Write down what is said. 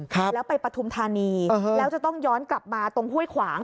ครับแล้วไปปฐุมธานีแล้วจะต้องย้อนกลับมาตรงห้วยขวาง